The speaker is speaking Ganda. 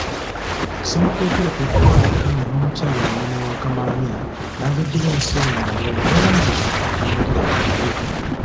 Ssemakookiro kwe kukwata Bunnya n'Omukyala nnyina wa Kamaanya n'abeddira enseenene abalala bangi n'alagira battibwe.